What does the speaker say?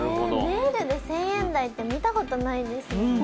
ネイルで１０００円台って見たことないですね。